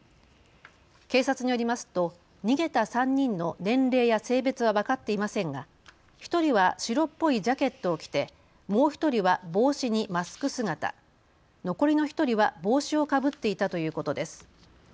警察によりますと逃げた３人の年齢や性別は分かっていませんが１人は白っぽいジャケットを着てもう１人は帽子にマスク姿残りの１人は帽子をかぶっていたということです。